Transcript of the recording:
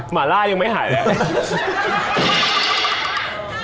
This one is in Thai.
หมาล่ายังไม่หายแล้ว